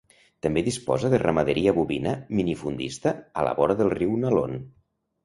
També disposa de ramaderia bovina minifundista a la vora del Riu Nalón.